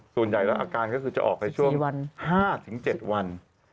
ส่วนใหญ่แล้วอาการก็คือจะออกในช่วง๕๗วัน